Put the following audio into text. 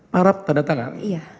paraf tanda tangan